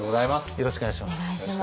よろしくお願いします。